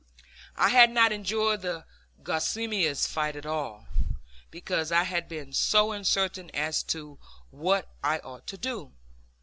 I had not enjoyed the Guasimas fight at all, because I had been so uncertain as to what I ought to do.